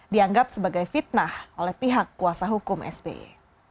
dianggap sebagai fitnah oleh pihak kuasa hukum sby